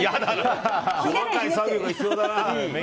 細かい作業が必要だな。